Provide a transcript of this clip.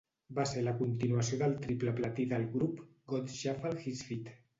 Va ser la continuació del triple platí del grup, 'God Shuffled His Feet'.